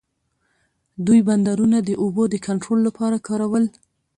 دوی بندرونه د اوبو د کنټرول لپاره کارول.